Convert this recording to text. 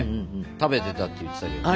食べてたって言ってたけどね。